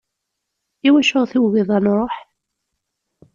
Iwacu i ɣ-tugiḍ ad nruḥ?